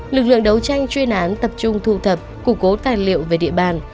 lực lượng đấu tranh chuyên án tập trung thu thập củng cố tài liệu về địa bàn